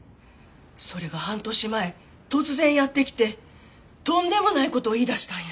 それが半年前突然やって来てとんでもない事を言い出したんや。